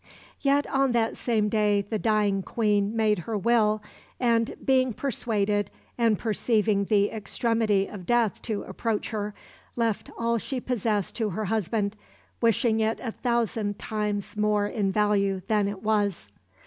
Yet on that same day the dying Queen made her will and, "being persuaded and perceiving the extremity of death to approach her," left all she possessed to her husband, wishing it a thousand times more in value than it was.